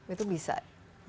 itu bisa lebih mimpi